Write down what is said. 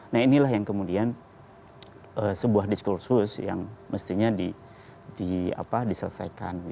nah inilah yang kemudian sebuah diskursus yang mestinya diselesaikan